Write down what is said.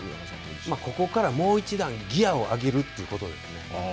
ここからもう一段ギアを上げるということですね。